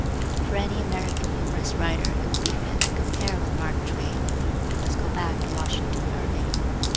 For any American humorous writer it would be fit to compare with Mark Twain we must go back to Washington Irving.